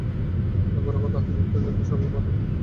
আগাগোড়া কত হাসির কথাই যে সে বলিল!